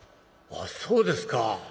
「あっそうですか。